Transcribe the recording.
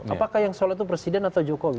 apakah yang sholat itu presiden atau jokowi